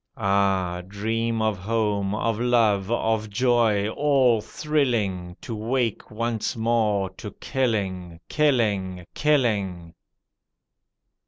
Ah! dream of home, of love, of joy, all thrilling, To wake once more to killing, killing, killing.